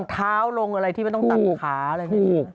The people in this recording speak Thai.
เท้าลงอะไรที่ไม่ต้องตัดขาอะไรพวกนี้